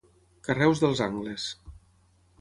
Carreus dels angles.